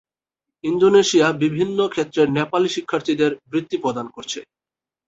Indonesia বিভিন্ন ক্ষেত্রের নেপালী শিক্ষার্থীদের বৃত্তি প্রদান করছে।